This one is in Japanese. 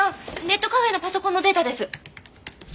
ネットカフェのパソコンのデータです。